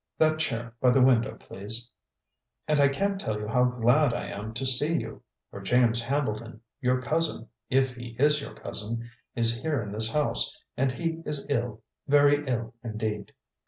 That chair by the window, please. And I can't tell you how glad I am to see you; for James Hambleton, your cousin, if he is your cousin, is here in this house, and he is ill very ill indeed."